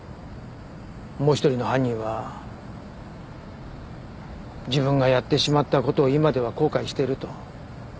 もう一人の犯人は自分がやってしまった事を今では後悔していると。